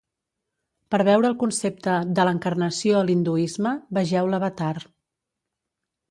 Per veure el concepte de l'encarnació a l'Hinduisme, vegeu l'avatar.